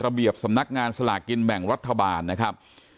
เบียบสำนักงานสลากกินแบ่งรัฐบาลนะครับ